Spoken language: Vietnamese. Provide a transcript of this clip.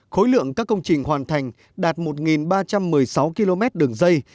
khối lượng các công trình hoàn thành đạt một ba trăm một mươi sáu km đường dây